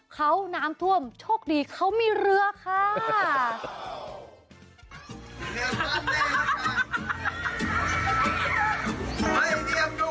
เขาน้ำท่วมโชคดีเขามีเรือค่ะ